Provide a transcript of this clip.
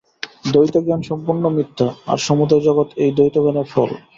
দ্বৈতজ্ঞান সম্পূর্ণ মিথ্যা, আর সমুদয় জগৎ এই দ্বৈতজ্ঞানের ফল।